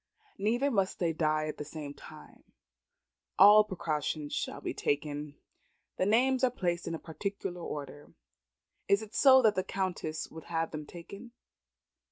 Neither must they die at the same time. All precaution shall be taken. The names are placed in a particular order. Is it so the Countess would have them taken?